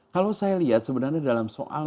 kalau saya lihat sebenarnya dalam soal